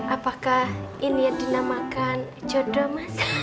apakah ini yang dinamakan jodoh mas